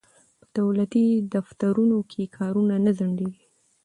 په دولتي دفترونو کې کارونه نه ځنډیږي.